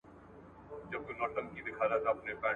ما په نوم د انتقام يې ته وهلی